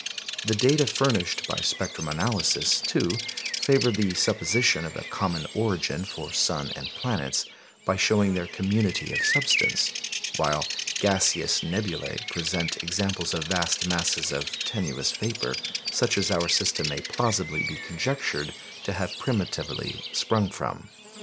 The data furnished by spectrum analysis, too, favour the supposition of a common origin for sun and planets by showing their community of substance; while gaseous nebulæ present examples of vast masses of tenuous vapour, such as our system may plausibly be conjectured to have primitively sprung from.